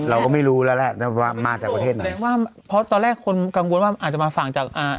เราก็ไม่รู้แล้วแหละว่ามาจากประเทศไหนแสดงว่าเพราะตอนแรกคนกังวลว่าอาจจะมาฝั่งจากอ่า